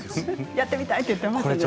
やってみたいって言ってましたよね。